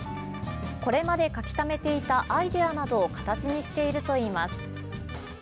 これまで書きためていたアイデアなどを形にしているといいます。